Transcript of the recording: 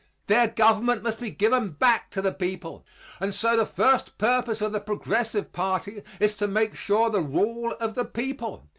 Their government must be given back to the people. And so the first purpose of the Progressive party is to make sure the rule of the people.